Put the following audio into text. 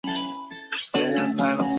西尔瓦内。